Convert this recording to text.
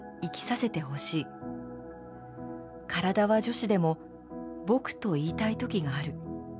体は女子でも『僕』と言いたいときがある。